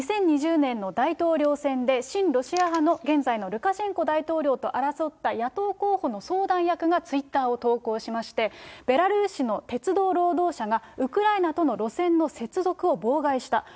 ２０２０年の大統領選で、親ロシア派の現在のルカシェンコ大統領と争った野党候補の相談役がツイッターを投稿しまして、ベラルーシの鉄道労働者が、ウクライナとの路線の接続を妨害した。